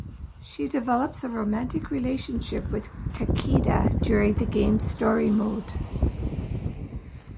She develops a romantic relationship with Takeda during the game's story mode.